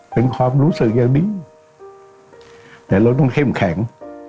เป็นความรู้สึกอย่างดีแต่เราต้องเข้มแข็ง